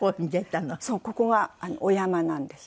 ここがお山なんです。